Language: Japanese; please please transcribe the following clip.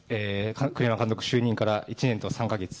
栗山監督就任から１年と３か月。